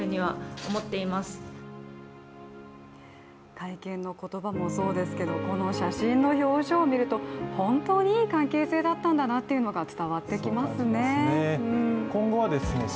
会見の言葉もそうですけどこの写真の表情を見ると本当にいい関係性だったんだなということが雪だ